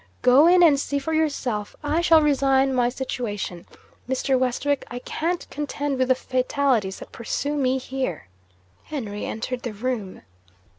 Go in, and see for yourself! I shall resign my situation, Mr. Westwick: I can't contend with the fatalities that pursue me here!' Henry entered the room.